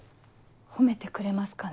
褒めてくれますかね？